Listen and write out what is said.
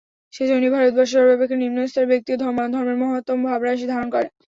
সেইজন্যই ভারতবর্ষে সর্বাপেক্ষা নিম্নস্তরের ব্যক্তিও ধর্মের মহত্তম ভাবরাশি ধারণ করে।